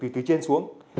ba mươi từ trên xuống